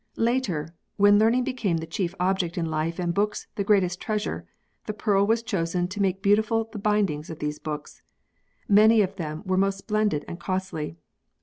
Later, when learning became the chief object in life and books the greatest treasure, the pearl was chosen to make beautiful the bindings of these books. Many of them were most splendid and costly.